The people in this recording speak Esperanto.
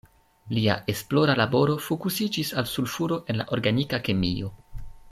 Lia esplora laboro fokusiĝis al sulfuro en la organika kemio.